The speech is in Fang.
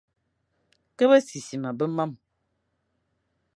Ke besisima be marne,